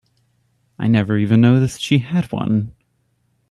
I never even noticed she had one.